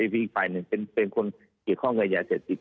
เป็นคนเกี่ยวข้องกับยาเสพติด